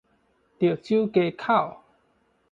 潮州街口